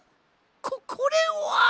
ここれは！